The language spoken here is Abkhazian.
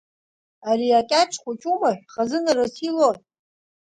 Ари акьаҿ хәыҷ умаҳә хазынарас илои?